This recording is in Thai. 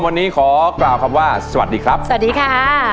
วันนี้ขอกล่าวคำว่าสวัสดีครับสวัสดีค่ะ